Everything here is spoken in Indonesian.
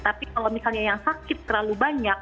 tapi kalau misalnya yang sakit terlalu banyak